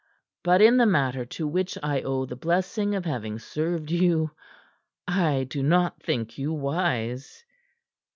"But in the matter to which I owe the blessing of having served you, I do not think you wise.